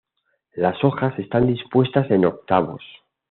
Las hojas están dispuestas en octavos.